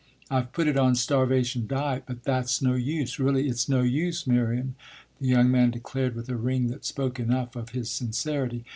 I've put it on starvation diet, but that's no use really, it's no use, Miriam," the young man declared with a ring that spoke enough of his sincerity.